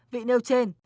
vị nêu trên